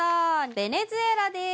ベネズエラです